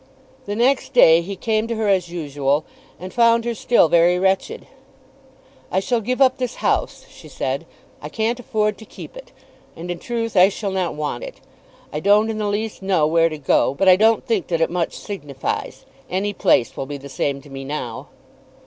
The next day he came to her as usual, and found her still very wretched. "I shall give up this house," she said. "I can't afford to keep it; and in truth I shall not want it. I don't in the least know where to go, but I don't think that it much signifies. Any place will be the same to me now."